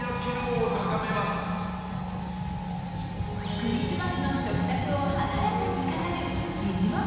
クリスマスの食卓を華やかに飾るにじまま